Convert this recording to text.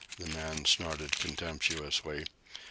the man snorted contemptuously.